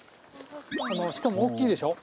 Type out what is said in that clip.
しかも大きいでしょ。